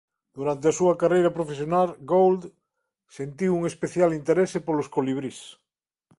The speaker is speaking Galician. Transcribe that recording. Durante a súa carreira profesional Gould sentiu un especial interese polos colibrís.